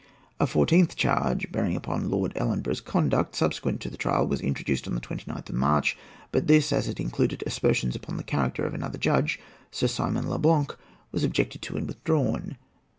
A fourteenth charge, bearing upon Lord Ellenborough's conduct subsequent to the trial, was introduced on the 29th of March; but this, as it included aspersions upon the character of another judge, Sir Simon Le Blanc, was objected to and withdrawn.